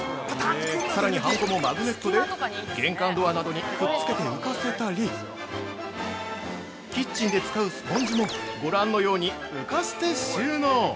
さらに、はんこもマグネットで玄関ドアなどにくっつけて浮かせたりキッチンで使うスポンジもご覧のように浮かして収納。